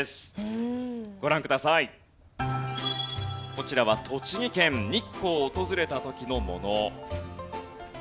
こちらは栃木県日光を訪れた時のもの。